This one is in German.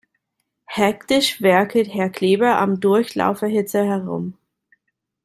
Hektisch werkelt Herr Kleber am Durchlauferhitzer herum.